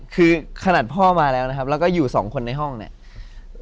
คือขนาดพ่อมาแล้วแล้วก็อยู่๒คนในห้องเนี่ย